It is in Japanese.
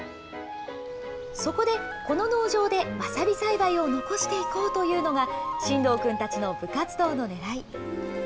そこで、この農場でわさび栽培を残していこうというのが、新堂君たちの部活動のねらい。